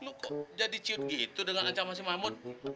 lo kok jadi ciut gitu dengan anca masih mahmud